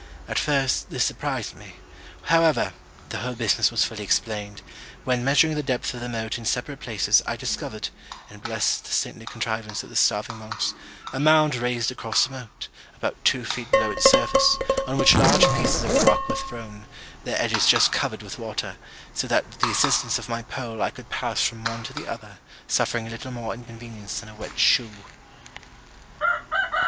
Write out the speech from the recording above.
At first, this surprised me: however, the whole business was fully explained, when measuring the depth of the moat in separate places, I discovered (and blessed the saintly contrivance of the starving monks) a mound raised across the moat, about two feet below its surface, on which large pieces of the rock were thrown, their edges just covered with water, so that with the assistance of my pole, I could pass from one to the other, suffering little more inconvenience than a wet shoe.